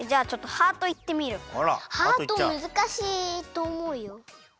ハートむずかしいとおもうよ。